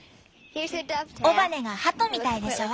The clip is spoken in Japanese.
尾羽がハトみたいでしょ？